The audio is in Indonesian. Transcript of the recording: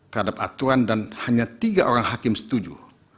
terhadap aturan dan hanya tiga orang hakim setuju